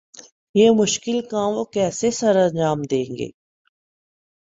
یہ مشکل کام وہ کیسے سرانجام دیں گے؟